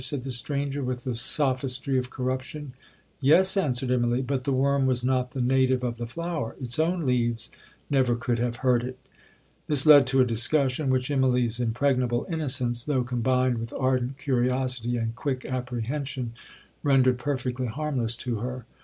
said the stranger, with the sophistry of corruption. 'Yes,' answered Immalee, 'but the worm was not the native of the flower; its own leaves never could have hurt it.' This led to a discussion, which Immalee's impregnable innocence, though combined with ardent curiosity and quick apprehension, rendered perfectly harmless to her.